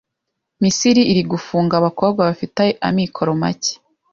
Misiri iri gufunga abakobwa bafite amikoro make